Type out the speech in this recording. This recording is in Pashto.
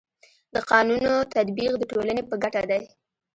د قانونو تطبیق د ټولني په ګټه دی.